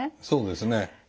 そうですね。